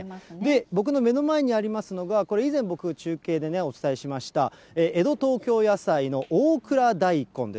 僕の目の前にありますのが、これ以前、僕、中継でね、お伝えしました、江戸東京野菜の大蔵大根です。